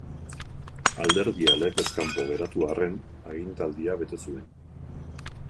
Alderdia legez kanpo geratu arren, agintaldia bete zuen.